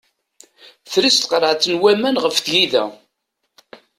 Tres tqerɛet n waman ɣef tgida.